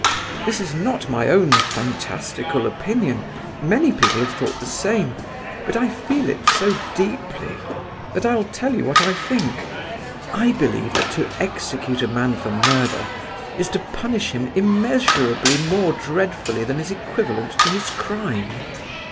"This is not my own fantastical opinion—many people have thought the same; but I feel it so deeply that I'll tell you what I think. I believe that to execute a man for murder is to punish him immeasurably more dreadfully than is equivalent to his crime.